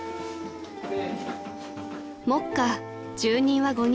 ［目下住人は５人］